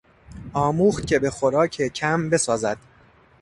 آموخت که به خوراک کم بسازد.